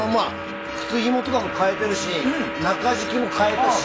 靴ひもとかも替えてるし中敷きも替えたし。